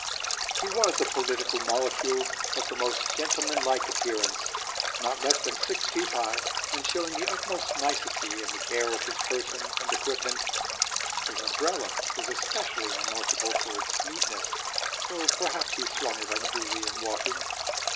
He was a political molecule of the most gentleman like appearance, not less than six feet high, and showing the utmost nicety in the care of his person and equipment. His umbrella was especially remarkable for its neatness, though perhaps he swung it unduly in walking.